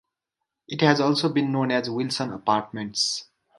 It has also been known as Wilson Apartments.